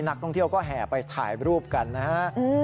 นักท่องเที่ยวก็แห่ไปถ่ายรูปกันนะฮะ